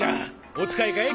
お使いかい？